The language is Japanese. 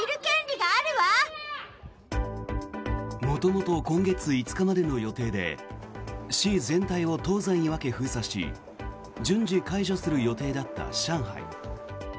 元々、今月５日までの予定で市全体を東西に分け封鎖し順次解除する予定だった上海。